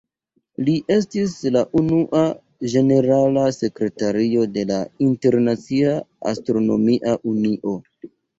Li estis la unua ĝenerala sekretario de la Internacia Astronomia Unio.